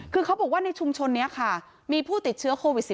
คือเขาบอกว่าในชุมชนนี้ค่ะมีผู้ติดเชื้อโควิด๑๙